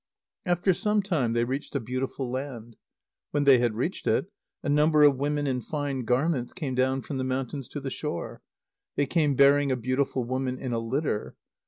After some time, they reached a beautiful land. When they had reached it, a number of women in fine garments came down from the mountains to the shore. They came bearing a beautiful woman in a litter.